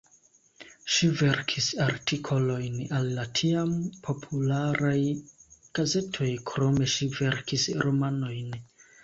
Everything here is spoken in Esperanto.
Ŝi verkis artikolojn al la tiam popularaj gazetoj, krome ŝi verkis romanojn.